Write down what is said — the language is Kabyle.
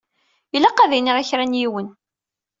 Ilaq ad iniɣ i kra n yiwen.